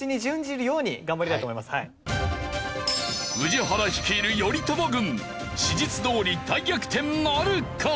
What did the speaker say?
宇治原率いる頼朝軍史実どおり大逆転なるか！？